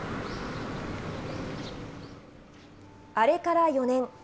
あれから４年。